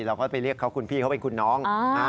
เราก็ไปเรียกเขาคุณพี่เขาเป็นคุณน้อง